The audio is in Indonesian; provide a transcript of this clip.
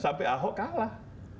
sampai ahok kalah